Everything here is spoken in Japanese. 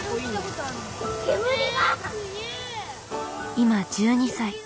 今１２歳。